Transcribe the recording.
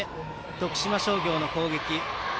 徳島商業の攻撃。